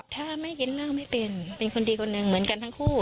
ถ้าไม่เห็นเลิกไม่เป็นเป็นคนดีคนหนึ่งเหมือนกันทั้งคู่